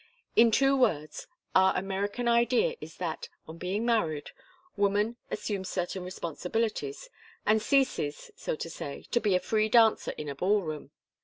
In two words, our American idea is that, on being married, woman assumes certain responsibilities, and ceases, so to say, to be a free dancer in a ball room.